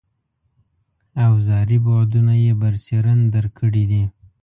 اوزاري بعدونه یې برسېرن درک کړي دي.